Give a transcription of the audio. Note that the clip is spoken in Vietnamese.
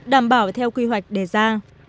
đảm bảo theo quy hoạch đề ra